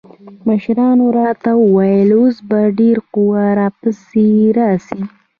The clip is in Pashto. مشرانو راته وويل اوس به ډېره قوا را پسې راسي.